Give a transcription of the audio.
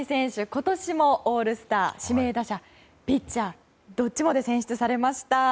今年もオールスター指名打者、ピッチャーのどっちもで選出されました。